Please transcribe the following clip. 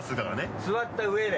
座った上で。